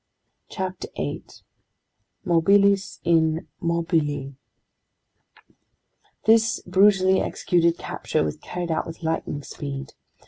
CHAPTER 8 "Mobilis in Mobili" THIS BRUTALLY EXECUTED capture was carried out with lightning speed.